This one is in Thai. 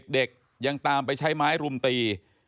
เด็กยังตามไปใช้ไม้รุมตี